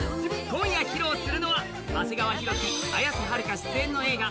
今夜披露するのは長谷川博己、綾瀬はるか出演の映画